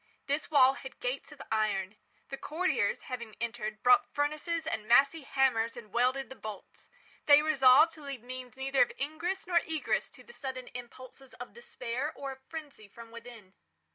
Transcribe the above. This wall had gates of iron. The courtiers, having entered, brought furnaces and massy hammers and welded the bolts. They resolved to leave means neither of ingress nor egress to the sudden impulses of despair or of frenzy from within.